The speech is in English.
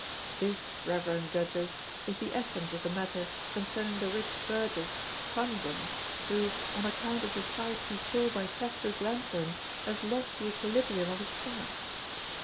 This, reverend Judges, is the essence of the matter concerning the rich burgess, Pranzo, who, on account of the sight he saw by Cethru's lanthorn, has lost the equilibrium of his stomach.